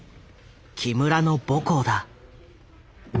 木村の母校だ。